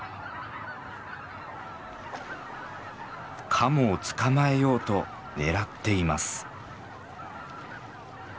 カモを捕まえようと狙っています。